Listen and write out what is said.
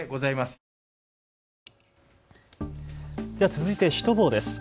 続いてシュトボーです。